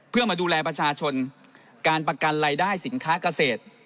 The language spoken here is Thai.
เพื่อมาดูแลประชาชนการประกันรายได้สินค้าเกษตร